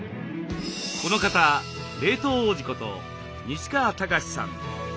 この方冷凍王子こと西川剛史さん。